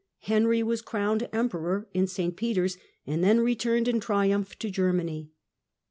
as°^^ was crowned Emperor in St Peter's, and then returned Apnfmi ^^ triumph to Germany.